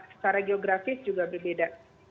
secara geografis juga berbeda